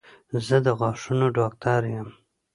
زه د غاښونو ډاکټر یم